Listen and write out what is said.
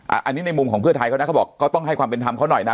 อันนี้ในมุมของเพื่อไทยเขานะเขาบอกเขาต้องให้ความเป็นธรรมเขาหน่อยนะ